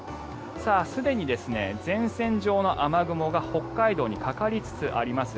すでに前線上の雨雲が北海道にかかりつつあります。